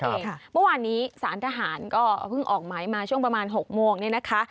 เมื่อวานนี้สารทหารก็ก็พึ่งออกไหมมาประมาณช่วง๖โมง